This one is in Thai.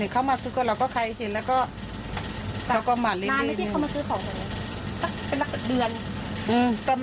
เข้ามาซื้ออะไรครับ